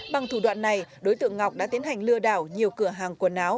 bằng thủ đoạn này đối tượng ngọc đã tiến hành lừa đảo nhiều cửa hàng quần áo